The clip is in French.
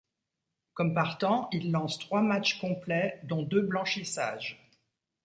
Comme partant, il lance trois matchs complets dont deux blanchissages.